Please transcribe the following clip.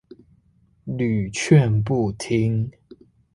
屢勸不聽